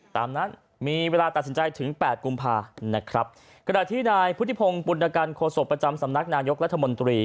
ตามนั้นมีเวลาตัดสินใจถึง๘กุมภาคมนะครับ